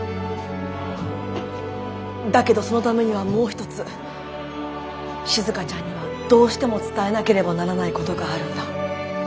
だけどそのためにはもう一つしずかちゃんにはどうしても伝えなければならないことがあるんだ。